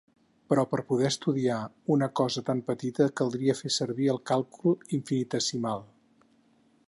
Però per a poder estudiar una cosa tan petita caldria fer servir el càlcul infinitesimal.